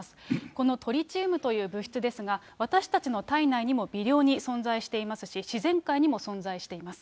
このトリチウムという物質ですが、私たちの体内にも微量に存在していますし、自然界にも存在しています。